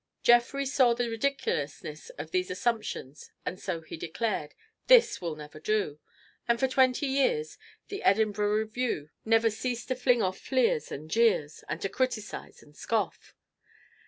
Jeffrey saw the ridiculousness of these assumptions and so he declared, "This will never do," and for twenty years "The Edinburgh Review" never ceased to fling off fleers and jeers and to criticize and scoff.